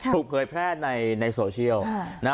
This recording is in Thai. เผยแพร่ในโซเชียล